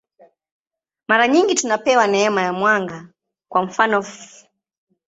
Mara nyingi tunapewa neema ya mwanga, kwa mfanof.